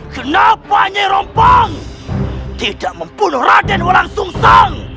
kenapa nyai rompang tidak membunuh raden walang susam